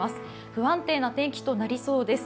不安定な天気となりそうです。